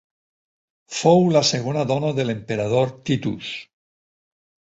Fou la segona dona de l'emperador Titus.